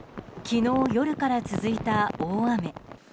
昨日夜から続いた大雨。